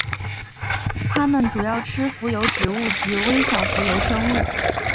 它们主要吃浮游植物及微小浮游生物。